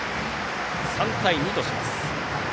３対２とします。